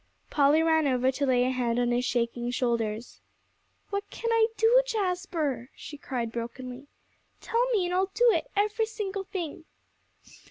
Polly ran over to lay a hand on his shaking shoulders. "What can I do, Jasper?" she cried brokenly. "Tell me, and I'll do it, every single thing."